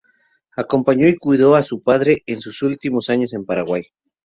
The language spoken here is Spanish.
Acompañó y cuidó a su padre en sus últimos años en Paraguay.